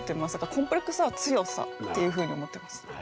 コンプレックスは強さっていうふうに思っています。